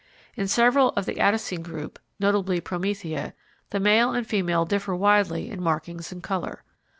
In several of the Attacine group, notably Promethea, the male and female differ widely in markings and colour.